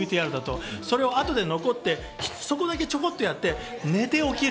それを後で残って、そこだけちょこっとやって寝て起きる。